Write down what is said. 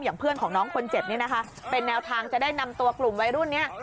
เพื่อนของน้องคนเจ็บเนี่ยนะคะเป็นแนวทางจะได้นำตัวกลุ่มวัยรุ่นนี้